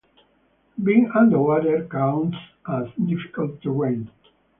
Being underwater counts as difficult terrain.